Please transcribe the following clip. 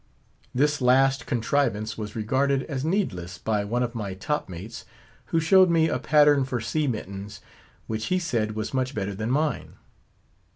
This last contrivance was regarded as needless by one of my top mates, who showed me a pattern for sea mittens, which he said was much better than mine.